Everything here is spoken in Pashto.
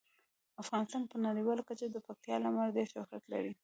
افغانستان په نړیواله کچه د پکتیکا له امله ډیر شهرت لري.